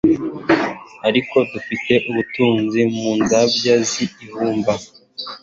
«Ariko dufite ubwo butunzi mu nzabya z'ibumba,